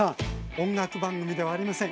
音楽番組ではありません。